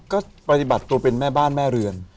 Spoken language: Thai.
ก็ปฏิบัติตัวเป็นแม่บ้านแม่เรือน